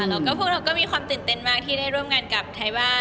แล้วก็พวกเราก็มีความตื่นเต้นมากที่ได้ร่วมงานกับไทยบ้าน